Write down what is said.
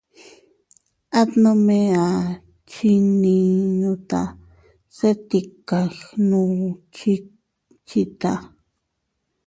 At nome a chinninuta se tika gnuchickchita.